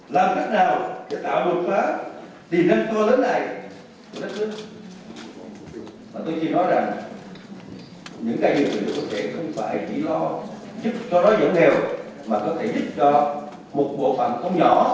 tuy nhiên có sản xuất là tổ chức trong đó dẫn theo mà có thể giúp cho một bộ phận không nhỏ